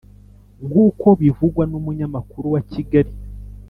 nkuko bivugwa n’umunyamakuru wa kigali